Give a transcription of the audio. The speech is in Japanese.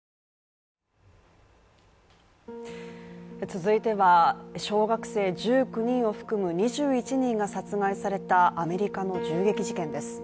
続いては、小学生１９人を含む２１人が殺害されたアメリカの銃撃事件です。